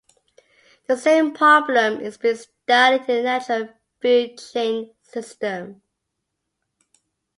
The same problem is being studied in a natural food chain system.